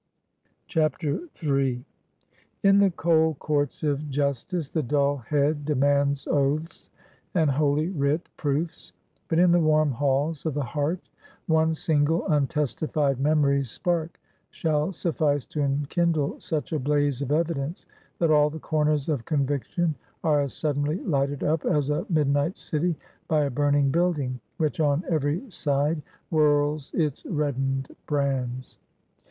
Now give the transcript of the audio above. III. In the cold courts of justice the dull head demands oaths, and holy writ proofs; but in the warm halls of the heart one single, untestified memory's spark shall suffice to enkindle such a blaze of evidence, that all the corners of conviction are as suddenly lighted up as a midnight city by a burning building, which on every side whirls its reddened brands.